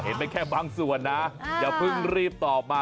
ไปแค่บางส่วนนะอย่าเพิ่งรีบตอบมา